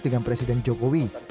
dengan presiden jokowi